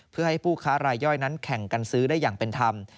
เพื่อให้ผู้ค้ารายย่อยนั้นแข่งกันซื้อได้อย่างเป็นธรรม